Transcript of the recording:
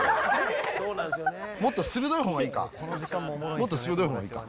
もっと鋭いほうがいいか？